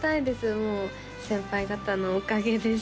もう先輩方のおかげです